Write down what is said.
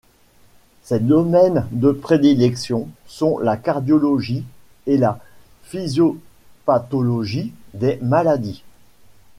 Ses domaines de prédilection sont la cardiologie et la physiopathologie des maladies.